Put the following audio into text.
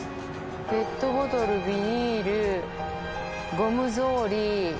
ペットボトル、ビニール、ゴム草履。